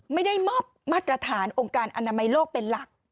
ไม่ได้มอบมาตรฐานองค์การอนามัยโลกเป็นหลัก